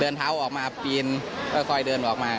เท้าออกมาปีนค่อยเดินออกมา